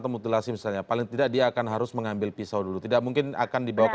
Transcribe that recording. atau mutilasi misalnya paling tidak dia akan harus mengambil pisau dulu tidak mungkin akan dibawa ke